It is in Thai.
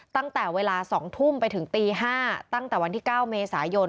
ตั้งแต่เวลา๒ทุ่มไปถึงตี๕ตั้งแต่วันที่๙เมษายน